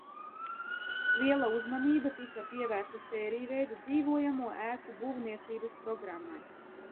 Liela uzmanība tika pievērsta sērijveida dzīvojamo ēku būvniecības programmai.